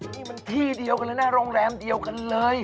นี่มันที่เดียวกันเลยนะโรงแรมเดียวกันเลย